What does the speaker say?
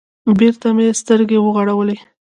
بېرته مې سترگې وغړولې.